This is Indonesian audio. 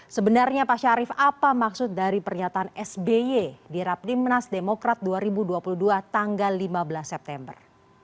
sebenarnya pak syarif apa maksud dari pernyataan sby di rapdimnas demokrat dua ribu dua puluh dua tanggal lima belas september